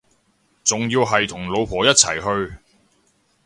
仲要係同老婆一齊去